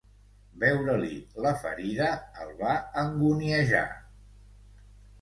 Veure-li la ferida el va anguniejar.